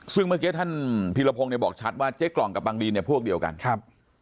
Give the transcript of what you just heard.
ซึ่งเมื่อกี้ท่านพีรพงศ์เนี่ยบอกชัดว่าเจ๊กล่องกับบางดีนเนี่ยพวกเดียวกันครับ